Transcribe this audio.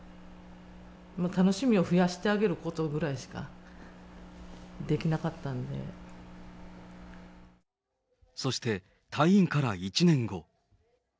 楽しみを増やしてあげることぐらいしか、そして、退院から１年後。